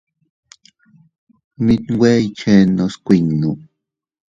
Mit nwe iychennos kuinno.